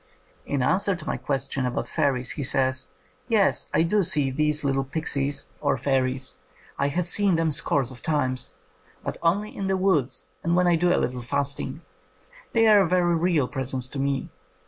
In answer to my question about fairies he says, "Yes, I do see these little pixies or 137 THE COMING OF THE FAIRIES fairies. I have seen them scores of times. But only in the woods and when I do a little fasting. They are a very real presence to me.